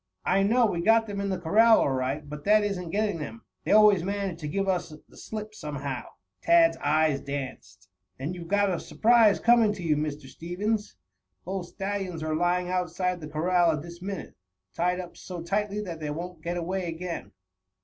"I know, we got them in the corral all right, but that isn't getting them. They always manage to give us the slip somehow." Tad's eyes danced. "Then you've got a surprise coming to you, Mr. Stevens. Both stallions are lying outside the corral at this minute, tied up so tightly that they won't get away again."